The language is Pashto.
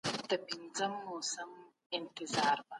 ما په خپله کتابچه کي خاطرې لیکلې دي.